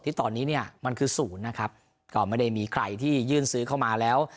ที่ตอนนี้เนี่ยมันคือศูนย์นะครับก็ไม่ได้มีใครที่ยื่นซื้อเข้ามาแล้ว